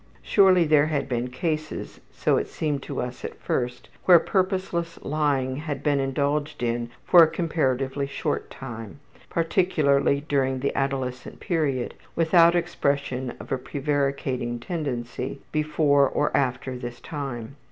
Surely there had been cases so it seemed to us at first where purposeless lying had been indulged in for a comparatively short time, particularly during the adolescent period, without expression of a prevaricating tendency before or after this time.